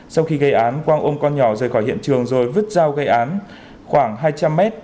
sau khi gây án quang ôm con nhỏ rời khỏi hiện trường rồi vứt dao gây án khoảng hai trăm linh m